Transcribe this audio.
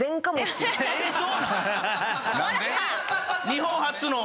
日本初の？